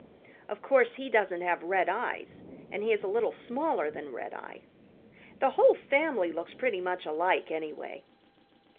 Of course he doesn't have red eyes, and he is a little smaller than Redeye. The whole family looks pretty much alike anyway."